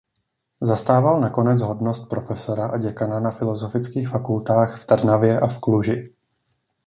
Zastával nakonec hodnost profesora a děkana na filozofických fakultách v Trnavě a v Kluži.